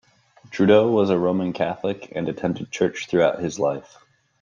Trudeau was a Roman Catholic and attended church throughout his life.